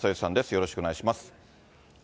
よろしくお願いします。